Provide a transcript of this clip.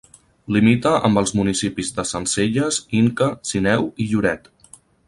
Limita amb els municipis de Sencelles, Inca, Sineu i Lloret.